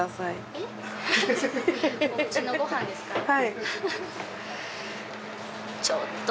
はい。